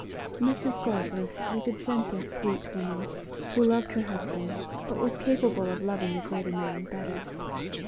Mrs. Galbraith was a gentle sweet woman, who loved her husband, but was capable of loving a greater man better.